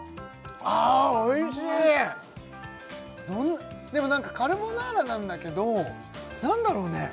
あおいしいでも何かカルボナーラなんだけど何だろうね